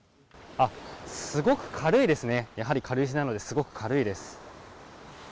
あっ、すごく軽いですね、やはり軽石なのですごく軽いです。